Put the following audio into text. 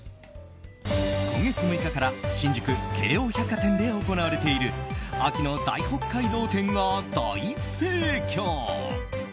今月６日から新宿・京王百貨店で行われている秋の大北海道展が大盛況。